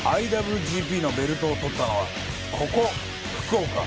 ＩＷＧＰのベルトをとったのはここ、福岡。